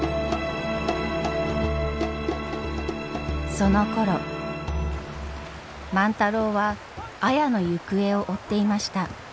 そのころ万太郎は綾の行方を追っていました。